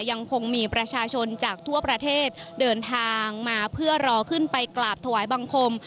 ยังคงมีประชาชนจากทั่วประเทศเดินทางมาเพื่อรอขึ้นไปกราบถวายบังคม